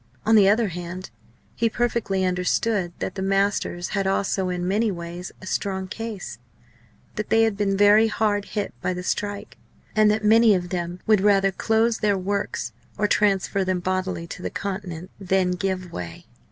On the other hand, he perfectly understood that the masters had also in many ways a strong case, that they had been very hard hit by the strike, and that many of them would rather close their works or transfer them bodily to the Continent than give way.